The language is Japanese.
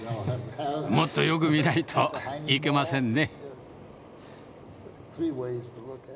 もっとよく見ないといけませんね。